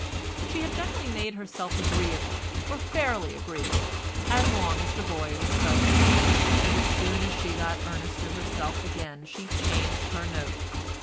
She had generally made herself agreeable, or fairly agreeable, as long as the boy was present, but as soon as she got Ernest to herself again she changed her note.